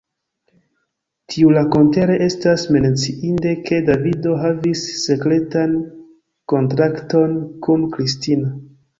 Tiurakontere estas menciinde, ke Davido havis sekretan kontrakton kun Kristina.